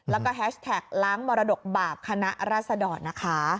แล้วก็แฮชแท็กล้างมรดกบาปคณะรัศดรนะคะ